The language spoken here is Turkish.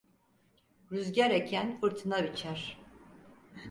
Rüzgâr eken fırtına biçer.